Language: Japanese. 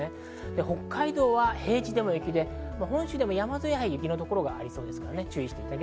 北海道は平地でも雪で、本州でも山沿いでは雪の所がありそうです。